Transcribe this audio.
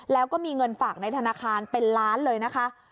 แล้วก็มีเงินฝากในธนาคารเป็นล้านเลยนะคะ